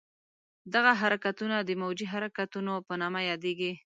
دغه حرکتونه د موجي حرکتونو په نامه یادېږي.